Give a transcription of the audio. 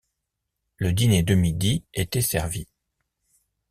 Le dîner de midi était servi.